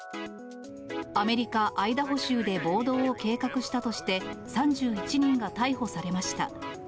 アメリカ・アイダホ州で暴動を計画したとして、３１人が逮捕されました。